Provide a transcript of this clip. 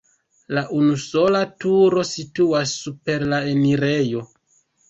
La unusola turo situas super la enirejo.